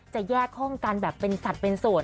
จะแยกห้องกันแบบเป็นสัตว์เป็นส่วน